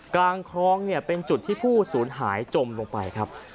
กลางคลองเนี่ยเป็นจุดที่ผู้สูญหายจมลงไปครับ